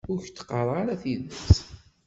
Ur k-d-qqarent ara tidet.